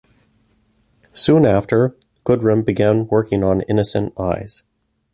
Soon after, Goodrem began working on Innocent Eyes.